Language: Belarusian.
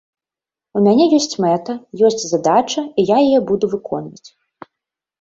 У мяне ёсць мэта, ёсць задача, і я яе буду выконваць.